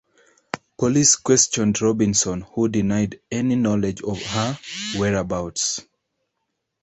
Police questioned Robinson, who denied any knowledge of her whereabouts.